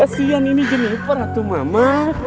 kasian ini jenis peratu mama